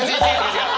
違う。